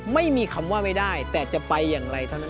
ไม่มีคำว่าไม่ได้แต่จะไปอย่างไรเท่านั้น